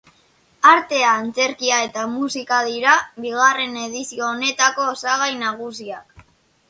Artea, antzerkia eta musika dira bigarren edizio honetako osagai nagusiak.